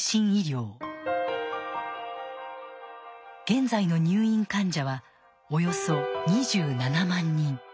現在の入院患者はおよそ２７万人。